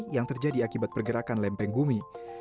yang terjadi akibat pergerakan lempeng bumi